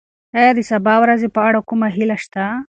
ایا د سبا ورځې په اړه کومه هیله شته؟